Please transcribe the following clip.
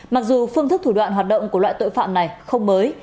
mặc dù phương thức thủ đoạn hoạt động của loại tội phạm này không mới